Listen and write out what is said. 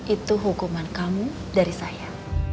itu hukuman kamu dari saya